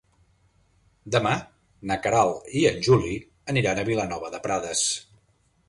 Demà na Queralt i en Juli aniran a Vilanova de Prades.